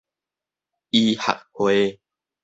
醫學會